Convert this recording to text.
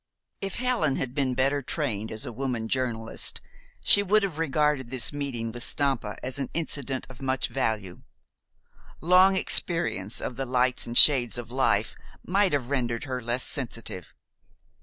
If Helen had been better trained as a woman journalist, she would have regarded this meeting with Stampa as an incident of much value. Long experience of the lights and shades of life might have rendered her less sensitive.